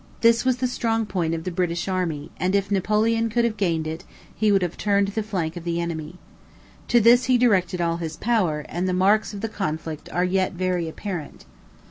This was the strong point of the British army; and if Napoleon could have gained it, he would have turned the flank of the enemy. To this he directed all his power, and the marks of the conflict are yet very apparent.